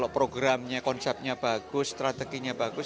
programnya konsepnya bagus strateginya bagus